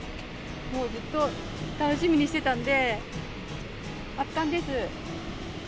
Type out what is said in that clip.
もうずっと、楽しみにしてたんで、圧巻です。